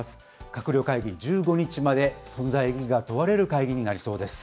閣僚会議、１５日まで存在意義が問われる会議になりそうです。